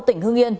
tỉnh hương yên